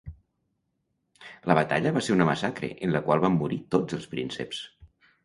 La batalla va ser una massacre, en la qual van morir tots els prínceps.